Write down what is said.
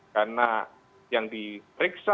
karena yang diperiksa